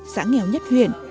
xã nghèo nhất huyện